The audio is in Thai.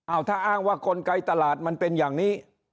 ถ้าอ้างว่ากลไกตลาดมันเป็นอย่างนี้